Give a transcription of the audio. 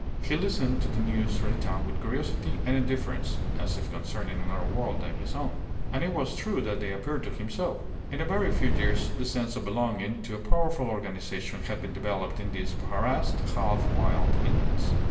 He listened to the news from the town with curiosity and indifference, as if concerning another world than his own. And it was true that they appeared to him so. In a very few years the sense of belonging to a powerful organization had been developed in these harassed, half wild Indians.